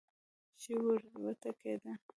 چې ور وټکېده.